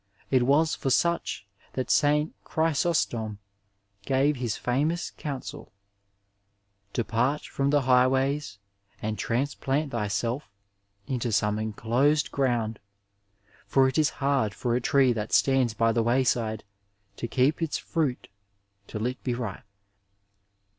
It was for such that St. Chrysostom gave his famous counsel, '^Depart from the highways and transplant thyself into some en closed ground, for it is hard for a tree that stands by the wayside to keep its fruit till it be ripe."